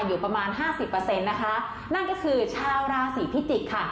อยู่ประมาณห้าสิบเปอร์เซ็นต์นะคะนั่นก็คือชาวราศีพิจิกษ์ค่ะ